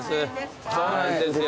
そうなんですよ。